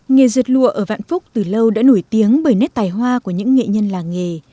nghề rượt lụa ở vạn phúc từ lâu đã nổi tiếng bởi nét tài hoa của những nghệ nhân làng nghề